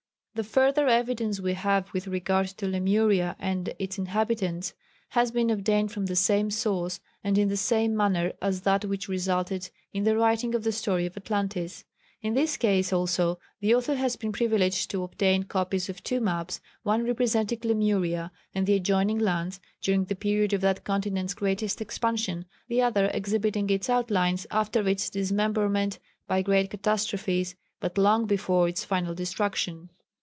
] The further evidence we have with regard to Lemuria and its inhabitants has been obtained from the same source and in the same manner as that which resulted in the writing of the Story of Atlantis. In this case also the author has been privileged to obtain copies of two maps, one representing Lemuria (and the adjoining lands) during the period of that continent's greatest expansion, the other exhibiting its outlines after its dismemberment by great catastrophes, but long before its final destruction.